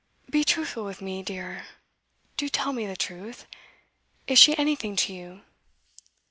'Be truthful with me, dear. Do tell me the truth! Is she anything to you?